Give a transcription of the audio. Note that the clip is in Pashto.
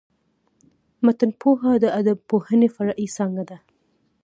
متنپوهنه د ادبپوهني فرعي څانګه ده.